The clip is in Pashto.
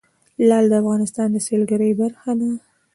لعل د افغانستان د سیلګرۍ برخه ده.